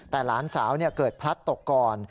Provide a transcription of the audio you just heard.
แต่หลานสาวเกิดพลัดตกก่อน